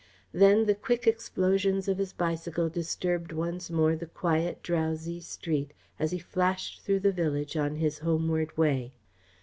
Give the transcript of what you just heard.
Then the quick explosions of his bicycle disturbed once more the quiet, drowsy street, as he flashed through the village on his homeward way.